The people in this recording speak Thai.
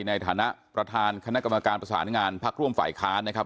ในฐานะประธานคณะกรรมการประสานงานพักร่วมฝ่ายค้านนะครับ